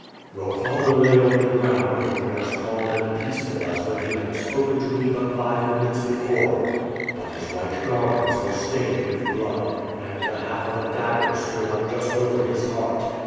"Your father lay on the ground looking as calm and peaceful as when he had spoken to me but five minutes before; but his white garments were stained with blood, and the half of a dagger stood up just over his heart.